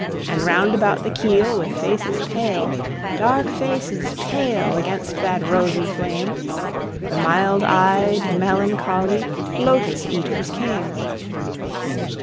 And round about the keel with faces pale, Dark faces pale against that rosy flame, The mild eyed melancholy Lotos eaters came.